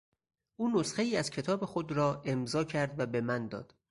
او نسخهای از کتاب خود را امضا کرد و به من داد.